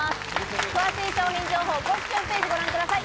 詳しい商品情報、公式ホームページをご覧ください。